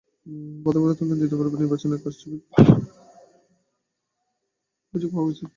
প্রথম পর্বের তুলনায় দ্বিতীয় পর্বের নির্বাচনে কারচুপির বেশি অভিযোগ পাওয়া গেছে।